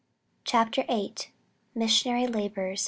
CHAPTER VIII. MISSIONARY LABORS.